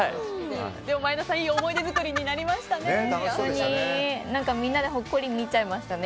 前田さん、いい思い出作りになりましたね。